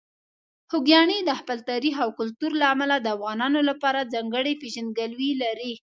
خوږیاڼي د خپل تاریخ او کلتور له امله د افغانانو لپاره ځانګړې پېژندګلوي لري.